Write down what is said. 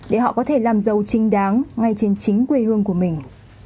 để họ có thể làm giàu trinh đáng ngay trên chính quê hương của mình